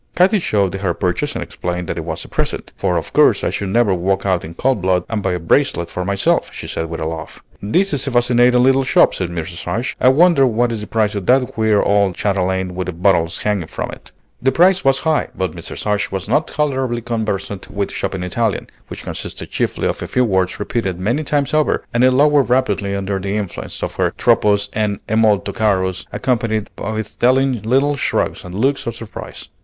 Katy showed her purchase and explained that it was a present; "for of course I should never walk out in cold blood and buy a bracelet for myself," she said with a laugh. "This is a fascinating little shop," said Mrs. Ashe. "I wonder what is the price of that queer old chatelaine with the bottles hanging from it." The price was high; but Mrs. Ashe was now tolerably conversant with shopping Italian, which consists chiefly of a few words repeated many times over, and it lowered rapidly under the influence of her troppo's and è molto caro's, accompanied with telling little shrugs and looks of surprise.